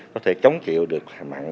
có thể chống chịu được hà mạng